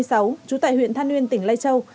trú tại huyện than nguyên tỉnh lai châu